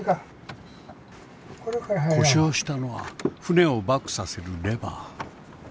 故障したのは船をバックさせるレバー。